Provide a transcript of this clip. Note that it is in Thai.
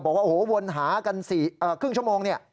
บอกว่าโอ้โหวนหากัน๔ครึ่งชั่วโมงเนี่ย